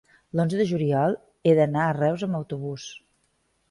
l'onze de juliol he d'anar a Reus amb autobús.